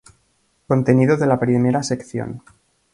Contenido de la primera sección.